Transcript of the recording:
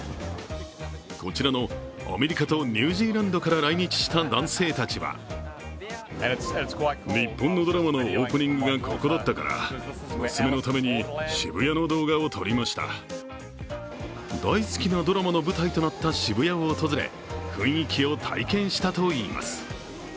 こちらのアメリカとニュージーランドから来日した男性たちは大好きなドラマの舞台となった渋谷を訪れ雰囲気を体験したといいます。